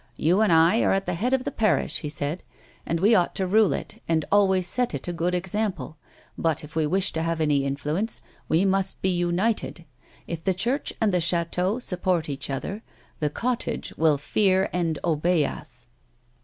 "You and I are at the head of the parish," he said, " and we ought to rule it, and always set it a good ex A WOMAN'S LIFE. 173 ample ; but, if we wish to have any influence, we naust be united. If the Church and the chateau sxipport each other, the cottage will fear and obey us."